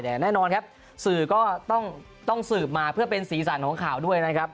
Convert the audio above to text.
แต่แน่นอนครับสื่อก็ต้องสืบมาเพื่อเป็นสีสันของข่าวด้วยนะครับ